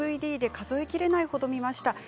ＤＶＤで数え切れないほど見ました。